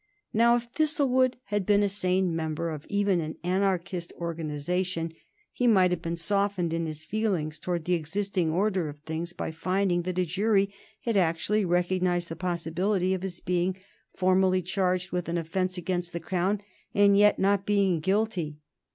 Now, if Thistlewood had been a sane member of even an Anarchist organization, he might have been softened in his feelings towards the existing order of things by finding that a jury had actually recognized the possibility of his being formally charged with an offence against the Crown and yet not being guilty.